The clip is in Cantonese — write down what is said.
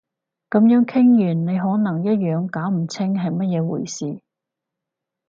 噉樣傾完你可能一樣搞唔清係乜嘢回事